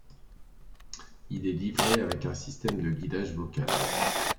Il est livré avec un système de guidage vocal.